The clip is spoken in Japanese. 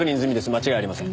間違いありません。